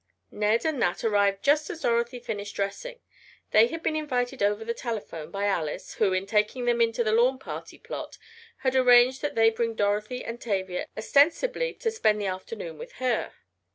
Ned and Nat arrived just as Dorothy finished dressing. They had been invited over the telephone by Alice, who, in taking them into the lawn party plot, had arranged that they bring Dorothy and Tavia ostensibly to spend the afternoon with her.